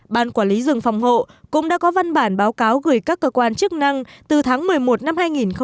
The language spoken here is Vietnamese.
ban quản lý rừng phòng hộ cũng đã có văn bản báo cáo gửi các cơ quan chức năng từ tháng một mươi một năm hai nghìn một mươi chín